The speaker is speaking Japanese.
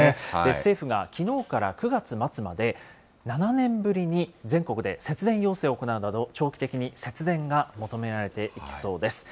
政府がきのうから９月末まで、７年ぶりに全国で節電要請を行うなど、長期的に節電が求められていきそうです。